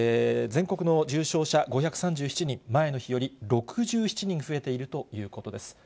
全国の重症者５３７人、前の日より６７人増えているということです。